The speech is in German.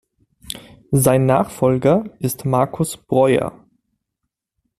Sein Nachfolger ist Markus Bräuer.